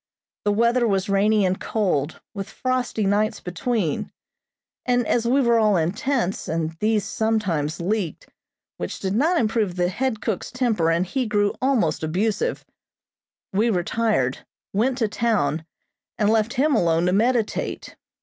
The weather was rainy and cold, with frosty nights between, and as we were all in tents, and these sometimes leaked, which did not improve the head cook's temper and he grew almost abusive; we retired, went to town, and left him alone to meditate.